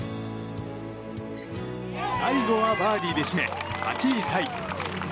最後はバーディーで締め８位タイ。